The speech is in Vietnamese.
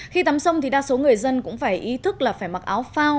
khi tắm sông thì đa số người dân cũng phải ý thức là phải mặc áo phao